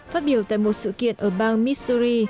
phát biểu tại một sự kiện ở bang missouri